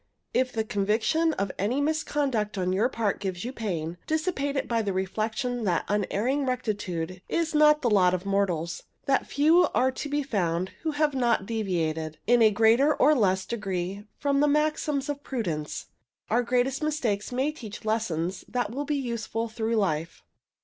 If the conviction of any misconduct on your part gives you pain, dissipate it by the reflection that unerring rectitude is not the lot of mortals; that few are to be found who have not deviated, in a greater or less degree, from the maxims of prudence. Our greatest mistakes may teach lessons which will be useful through life.